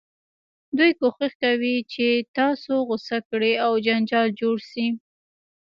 دوی کوښښ کوي چې تاسو غوسه کړي او جنجال جوړ شي.